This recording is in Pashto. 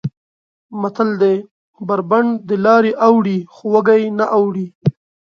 متل دی: بر بنډ دلارې اوړي خو وږی نه اوړي.